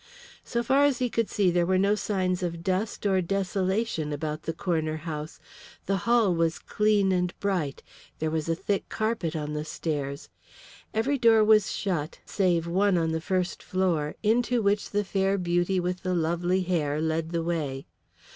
So far as he could see there were no signs of dust or desolation about the corner house. The hall was clean and bright, there was a thick carpet on the stairs. Every door was shut save one on the first floor, into which the fair beauty with the lovely hair led the way.